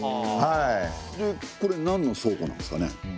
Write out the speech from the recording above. でこれなんの倉庫なんすかね？